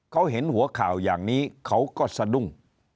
เขาเห็นหัวข่าวอย่างนี้เขาก็สะดุ้ง